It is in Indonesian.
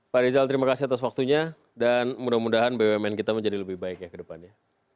pak rizal terima kasih atas waktunya dan mudah mudahan bumn kita menjadi lebih baik ya ke depannya